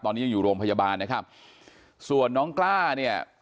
ตอนนี้ยังอยู่โรงพยาบาลนะครับส่วนน้องกล้าเนี่ย